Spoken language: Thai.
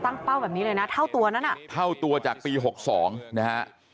เป้าแบบนี้เลยนะเท่าตัวนั้นอ่ะเท่าตัวจากปี๖๒นะฮะ